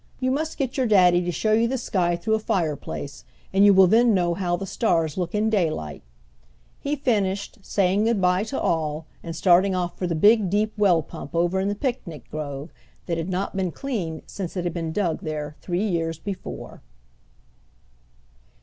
You must get your daddy to show you the sky through a fireplace, and you will then know how the stars look in daylight," he finished, saying good bye to all and starting off for the big deep well pump over in the picnic grove, that had not been cleaned since it had been dug there three years before.